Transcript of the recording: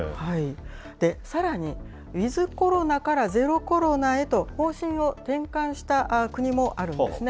さらに、ウィズコロナからゼロコロナへと方針を転換した国もあるんですね。